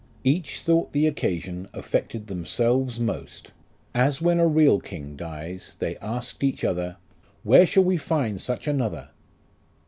Each thought the occasion affected themselves most ; as when a real king dies, they asked each other, ' Where shall we find such another